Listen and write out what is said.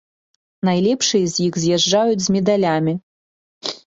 Найлепшыя з іх з'язджаюць з медалямі.